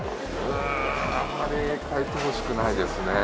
あんまり変えてほしくないですね。